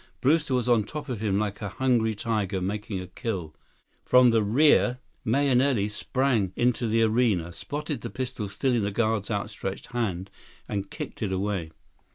Brewster was on top of him like a hungry tiger making a kill. From the rear, Mahenili sprang into the arena, spotted the pistol still in the guard's outstretched hand, and kicked it away.